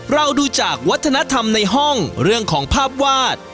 เราดูจากวัฒนธรรมในห้องเรื่องของภาพวาด